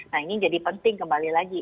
nah ini jadi penting kembali lagi